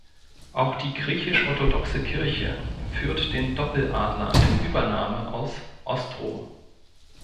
Auch die griechisch-orthodoxe Kirche führt den Doppeladler in Übernahme aus Ostrom.